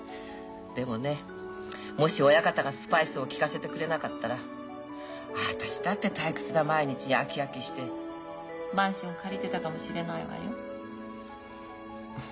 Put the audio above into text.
でもねもし親方がスパイスを利かせてくれなかったら私だって退屈な毎日に飽き飽きしてマンション借りてたかもしれないわよ。